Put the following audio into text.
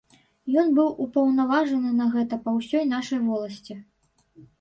Ён быў упаўнаважаны на гэта па ўсёй нашай воласці.